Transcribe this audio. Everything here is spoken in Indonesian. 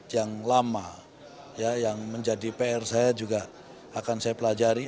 yang menjadi pr saya juga akan saya pelajari